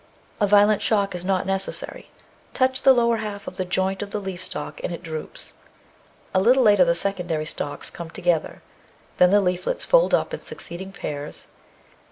A violent shock is not necessary ; touch the lower half of the joint of the leaf stalk and it droops; a little later the secondary stalks come together, then the leaflets fold up in succeeding pairs.